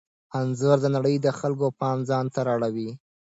انځور د نړۍ د خلکو پام ځانته را اړوي.